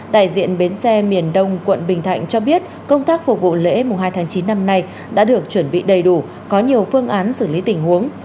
đại diện bến xe miền đông quận bình thạnh cho biết công tác phục vụ lễ hai tháng chín năm nay đã được chuẩn bị đầy đủ có nhiều phương án xử lý tình huống